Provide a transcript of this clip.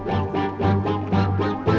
masuk ke dalam